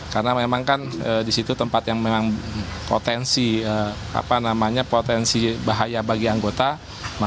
karena memang kan di situ tempat yang memang potensi bahaya bagi anggota